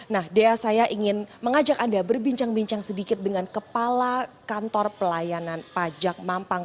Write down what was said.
nah dia saya ingin mengajak anda berbincang sedikit dengan kepala kantor pelayanan pajak mampang pratama jakarta mampang